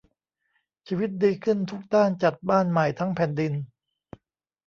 ชีวิตดีขึ้นทุกด้านจัดบ้านใหม่ทั้งแผ่นดิน